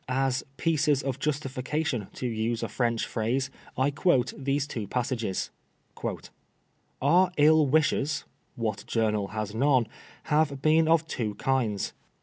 As ^^ pieces of justification," to use a French phrase, I quote these two " Our ill wishers (what journal has none ?) have been of two kinds.